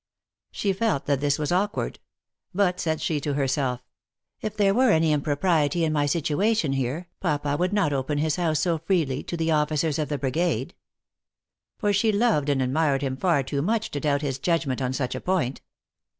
She felt that this was awkward ; but, said she to herself, "If there were any impropriety in my situation here, Papa wo uld not open his house so free ly to the officers of the brigade." For she loved and admired him far too much to doubt his judgment on such a point.